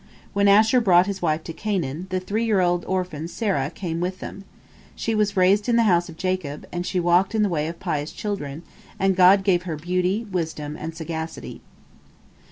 When Asher brought his wife to Canaan, the three year old orphan Serah came with them. She was raised in the house of Jacob, and she walked in the way of pious children, and God gave her beauty, wisdom, and sagacity.